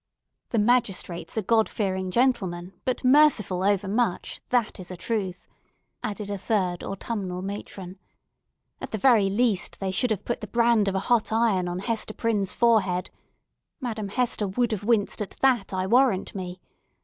"The magistrates are God fearing gentlemen, but merciful overmuch—that is a truth," added a third autumnal matron. "At the very least, they should have put the brand of a hot iron on Hester Prynne's forehead. Madame Hester would have winced at that, I warrant me.